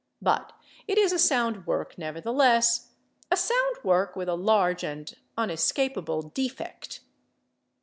But it is a sound work nevertheless—a sound work with a large and unescapable defect.